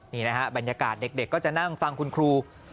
นี่นะฮะบรรยากาศเด็กก็จะนั่งฟังคุณครู